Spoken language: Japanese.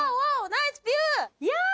ナイスビュー！